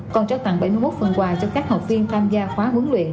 còn trao tặng bảy mươi một phần quà cho các học viên tham gia khóa huấn luyện